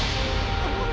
あっ！